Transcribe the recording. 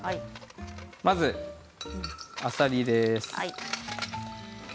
まず、あさりです。